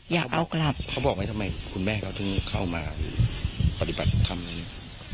อยากเอากลับเขาบอกไหมทำไมคุณแม่เขาถึงเข้ามาปฏิบัติทำอย่างนี้